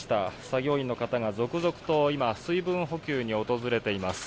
作業員の方が続々と今、水分補給に訪れています。